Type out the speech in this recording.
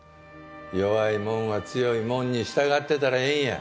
弱いもんは強いもんに従ってたらええんや。